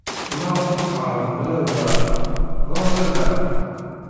Maɣef ur tɛerrḍem ara wa? D aẓidan.